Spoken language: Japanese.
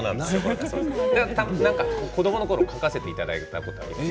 子どものころ書かせていただいたことがあります。